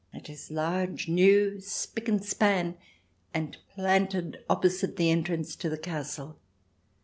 It is large, new, spick and span, and planted opposite the entrance to the castle.